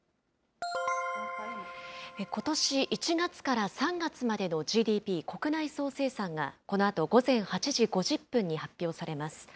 ことし１月から３月までのＧＤＰ・国内総生産が、このあと午前８時５０分に発表されます。